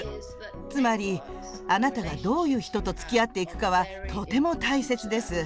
つまり、あなたがどういう人とつきあっていくかはとても大切です。